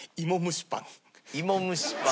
芋蒸しパン。